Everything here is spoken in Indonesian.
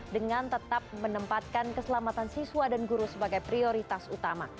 dengan tetap menempatkan keselamatan siswa dan guru sebagai prioritas utama